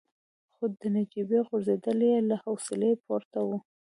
خو د نجيبې ځورېدل يې له حوصلې پورته وو.